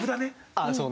ああそう。